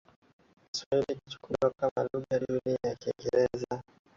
kiswahili kuchukuliwa kama lugha duni dhidi ya kiingereza